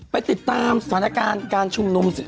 ไปติดตามสถานการณ์การชุมนุม